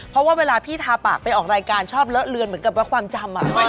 เพราะว่าเวลาพี่ทาปากไปออกรายการชอบเลอะเลือนเหมือนกับว่าความจำ